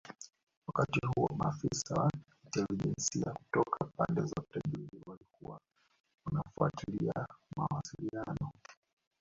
Wakati huo maafisa wa intelijensia kutoka pande zote mbili walikuwa wanafuatilia mawasiliano